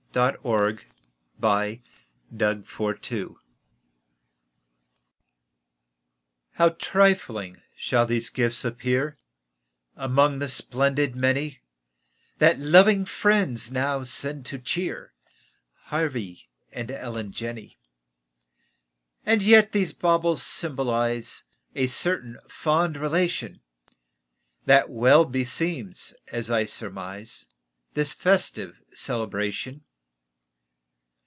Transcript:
WITH TWO SPOONS FOR TWO SPOONS How trifling shall these gifts appear Among the splendid many That loving friends now send to cheer Harvey and Ellen Jenney. And yet these baubles symbolize A certain fond relation That well beseems, as I surmise, This festive celebration.